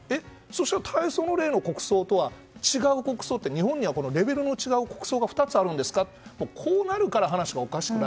そうしたら大喪の礼の国葬とは違う国葬って、日本にはレベルの違う国葬が２つあるんですか？